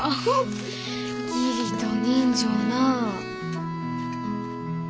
義理と人情なあ。